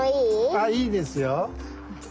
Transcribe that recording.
あいいですよ。